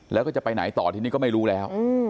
แล้วก็จะไปไหนต่อทีนี้ก็ไม่รู้แล้ว